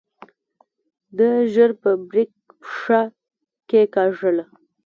ده ژر په بريک پښه کېکاږله.